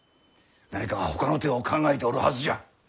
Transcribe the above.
何かほかの手を考えておるはずじゃ。